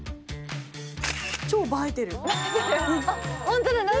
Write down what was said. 超映えてる。